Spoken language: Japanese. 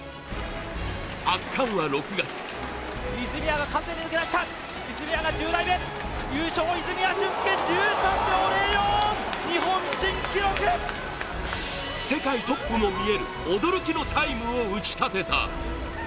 圧巻は６月世界トップも見える驚きのタイムを打ちたてた。